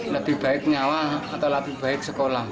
lebih baik nyawa atau lebih baik sekolah